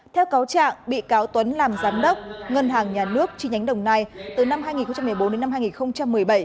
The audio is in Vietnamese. theo cáo trạng bị cáo tuấn làm giám đốc ngân hàng nhà nước chi nhánh đồng nai từ năm hai nghìn một mươi bốn đến năm hai nghìn một mươi bảy